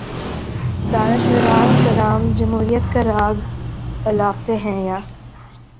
دانشوران کرام جمہوریت کا راگ الاپتے ہیں یا